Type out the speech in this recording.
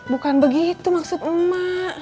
bukan begitu maksud emak